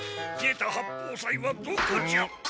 稗田八方斎はどこじゃ？